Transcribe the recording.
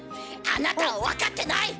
あなたは分かってない！